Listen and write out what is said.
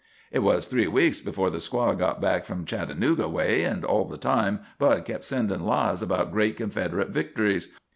Hit was three weeks before the squad got back from Chattanooga way, and all the time Bud kept sendin' lies about great Confederate victories.